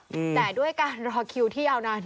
แต่ด้วยการรอคิวที่ยาวนาน